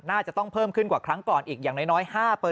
อาจจะต้องเพิ่มขึ้นกว่าครั้งก่อนอีกอย่างน้อย๕